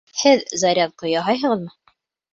Һеҙ зарядка яһайһығыҙмы?